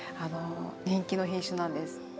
人気の品種なんです。